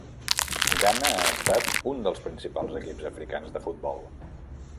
Ghana ha estat un dels principals equips africans de futbol.